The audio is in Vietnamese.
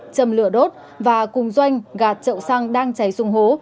châm lửa đốt và cùng doanh gạt trậu xăng đang cháy xuống hố